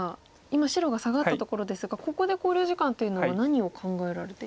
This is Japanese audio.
今白がサガったところですがここで考慮時間というのは何を考えられているんでしょう。